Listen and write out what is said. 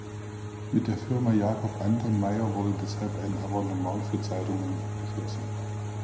Mit der Firma Jacob Annton Mayer wurde deshalb eine Abonnement für Zeitungen abgeschlossen.